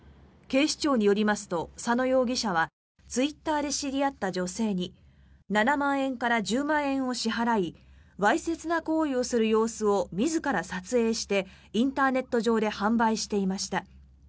警視庁によりますと佐野容疑者はツイッターで知り合った女性に７万円から１０万円を支払いわいせつな行為をする様子を自ら撮影してインターネット上で販売していました。